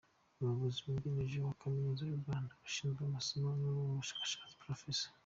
Umuyobozi wungirije wa Kaminuza y’u Rwanda ushinzwe amasomo n’ubushakashatsi, Prof.